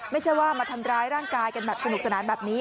ไม่ใช่ว่ามาทำร้ายร่างกายกันแบบสนุกสนานแบบนี้